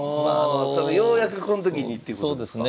ようやくこの時にっていうことですか？